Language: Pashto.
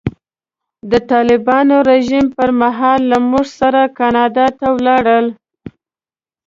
د طالبانو رژیم پر مهال له مور سره کاناډا ته ولاړل.